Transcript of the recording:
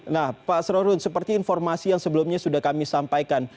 nah pak asrorun seperti informasi yang sebelumnya sudah kami sampaikan